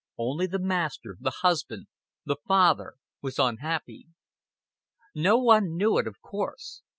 Only the master, the husband, the father, was unhappy. No one knew it, of course.